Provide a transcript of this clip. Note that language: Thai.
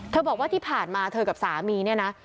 บอกว่าที่ผ่านมาเธอกับสามีเนี่ยนะ